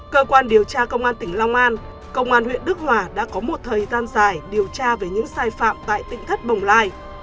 cơ quan điều tra công an tỉnh long an công an huyện đức hòa đã có một thời gian dài điều tra về những sai phạm tại tỉnh thất bồng lai